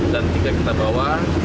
dan tiga kita bawa